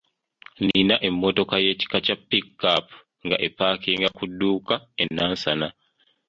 Nina emmotoka ey’ekika kya ‘pickup’ nga epaakinga ku dduuka e Nansana.